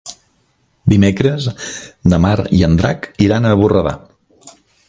Dimecres na Mar i en Drac iran a Borredà.